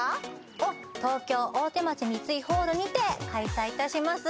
−を東京大手町三井ホールにて開催いたします